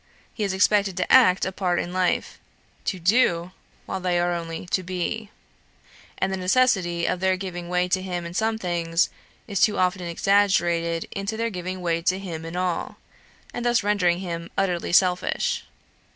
He is expected to act a part in life; to do, while they are only to be; and the necessity of their giving way to him in some things, is too often exaggerated into their giving way to him in all, and thus rendering him utterly selfish.